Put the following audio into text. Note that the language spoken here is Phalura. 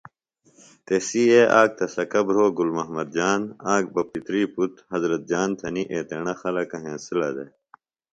تسیئے آک تہ سکہ بھرو گُل محمد جان، آک بہ پِتری پُتر حضرت جان تھنیۡ، ایتیݨہ خلکہ ہینسِلہ دےۡ